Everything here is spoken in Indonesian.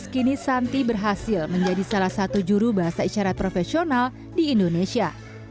kini santi berhasil menjadi salah satu juru bahasa isyarat profesional di indonesia